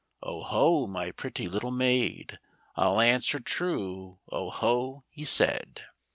''" 0 ho ! my pretty little maid. I'll answer true, 0 ho !" he said.